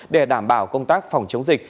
để đảm bảo công tác phòng chống dịch